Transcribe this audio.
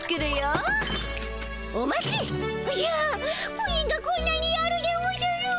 プリンがこんなにあるでおじゃる。